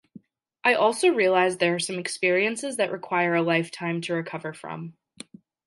I also realized there are some experiences that require a lifetime to recover from.